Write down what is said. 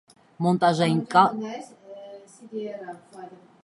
Մոնտաժային կադր, մոնտաժային պլան՝ կինոժապավենի կտոր կամ տեսագրության մաս։